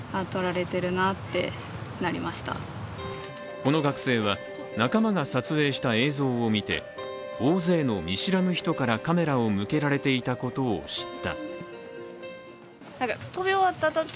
この学生は仲間が撮影した映像を見て大勢の見知らぬ人からカメラを向けられていたことを知った。